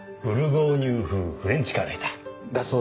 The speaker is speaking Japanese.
ブルゴーニュ風フレンチカレーだ。